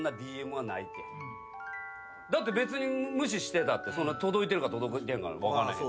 だって別に無視してたって届いてるか届いてへんか分かんない。